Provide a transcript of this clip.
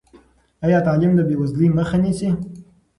ایا تعلیم د بېوزلۍ مخه نیسي؟